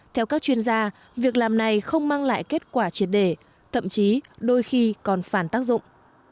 theo các chuyên gia việc làm này không mang lại kết quả triệt đề thậm chí đôi khi còn phản tác dụng